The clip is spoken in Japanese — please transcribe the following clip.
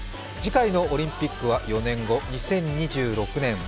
次回のオリンピックは４年後２０２６年